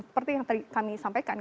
seperti yang tadi kami sampaikan